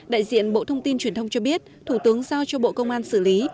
đại diện bộ thông tin truyền thông cho biết thủ tướng giao cho bộ công an xử lý